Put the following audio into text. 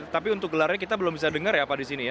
tapi untuk gelarnya kita belum bisa dengar ya apa disini ya